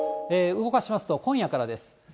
動かしますと、今夜からです。